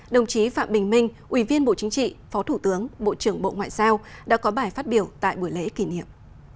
đồng chí phạm bình minh ủy viên bộ chính trị phó thủ tướng bộ trưởng bộ ngoại giao đã có bài phát biểu tại buổi lễ kỷ niệm